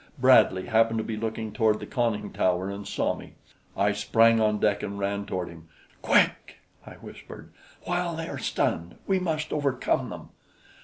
Bradley happened to be looking toward the conning tower and saw me. I sprang on deck and ran toward him. "Quick!" I whispered. "While they are stunned, we must overcome them."